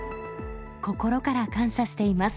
心から感謝しています。